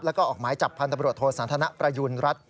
แล้วก็ออกหมายจับพันธบรวจโทสันทนประยุณรัฐ